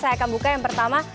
saya akan buka yang pertama